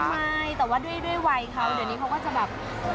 ไม่แต่ว่าด้วยวัยเขาเดี๋ยวนี้เขาก็จะแบบ